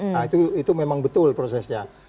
nah itu memang betul prosesnya